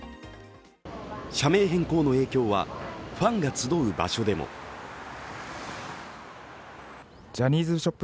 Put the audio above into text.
社名変更の影響はファンが集う場所でもジャニーズショップ